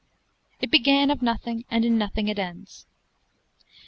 It began of nothing, and in nothing it ends.